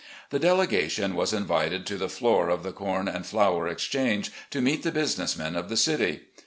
The delegation was invited to the floor of the Com and Flour Exchange, to meet the business men of the city.